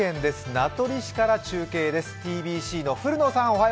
名取市から中継です。